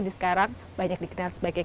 disekarang banyak dikenal sebagai